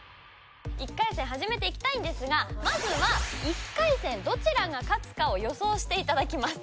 １回戦始めていきたいんですがまずは１回戦どちらが勝つかを予想していただきます。